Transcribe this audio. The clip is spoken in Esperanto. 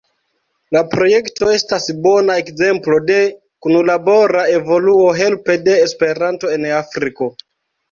La projekto estas bona ekzemplo de kunlabora evoluo helpe de Esperanto en Afriko.